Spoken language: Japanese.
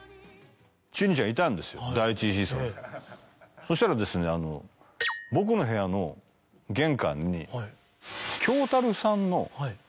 そしたら僕の部屋の玄関に。